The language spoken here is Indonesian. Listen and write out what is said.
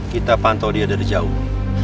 kita pantau dia dari jauh